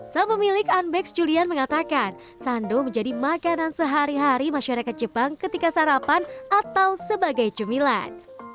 saat pemilik unbex julian mengatakan sandu menjadi makanan sehari hari masyarakat jepang ketika sarapan atau sebagai cumilan